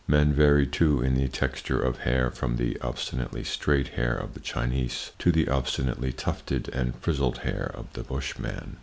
Men vary, too, in the texture of hair from the obstinately straight hair of the Chinese to the obstinately tufted and frizzled hair of the Bushman.